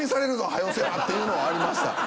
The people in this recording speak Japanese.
早うせな」っていうのはありました。